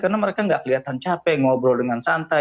karena mereka nggak kelihatan capek ngobrol dengan santai